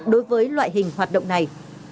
đối với loại hình hoạt động này